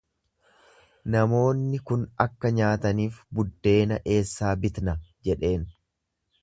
Namoonni kun akka nyaataniif buddeena eessaa bitna jedheen.